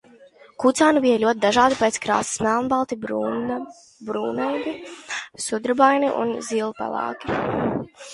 Kucēni bija ļoti dažādi pēc krāsas - melnbalti, brūnraibi, sudrabaini un zilpelēki.